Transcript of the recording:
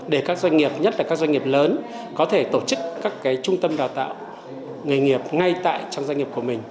để các doanh nghiệp nhất là các doanh nghiệp lớn có thể tổ chức các trung tâm đào tạo nghề nghiệp ngay tại trong doanh nghiệp của mình